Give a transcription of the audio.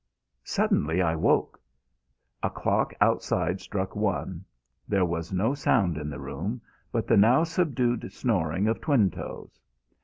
Suddenly I awoke. A clock outside struck one. There was no sound in the room but the now subdued snoring of Twinetoes.